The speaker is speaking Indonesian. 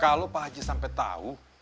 kalau pak haji sampai tahu